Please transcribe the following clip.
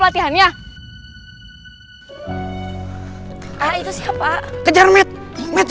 nanti aku datang terus kayak gradanya